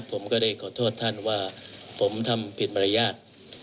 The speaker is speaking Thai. ผมก็ได้ขอโทษท่านว่าผมทำผิดมารยาท